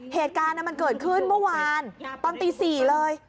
เหตุการณ์มันเกิดขึ้นเมื่อวานตอนตี๔เลย